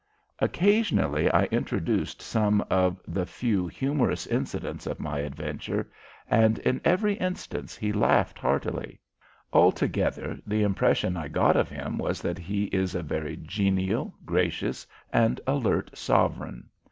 Occasionally I introduced some of the few humorous incidents of my adventure, and in every instance he laughed heartily. Altogether the impression I got of him was that he is a very genial, gracious, and alert sovereign.